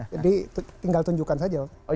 jadi tinggal tunjukkan saja